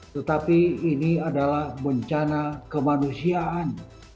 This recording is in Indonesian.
tetapi ini adalah bencana kemanusiaan